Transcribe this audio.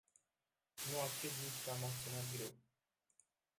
Nu accept nici că am acționat greu.